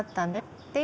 って。